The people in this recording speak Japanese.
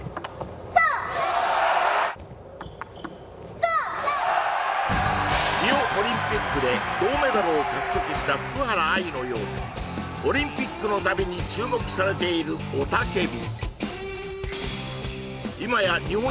まあリオオリンピックで銅メダルを獲得した福原愛のようにオリンピックの度に注目されている雄叫び